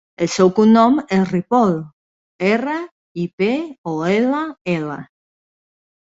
El seu cognom és Ripoll: erra, i, pe, o, ela, ela.